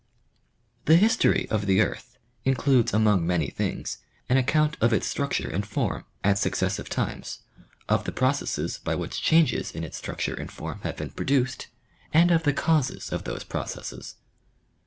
The history of the earth includes among many things an account of its structure and form at successive times, of the pro cesses by which changes in its structure and form have been produced, and of the causes of these processes.